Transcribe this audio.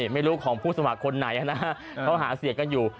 ไม่รู้ของผู้สมัครคนไหนนะเขาหาเสียงกันอยู่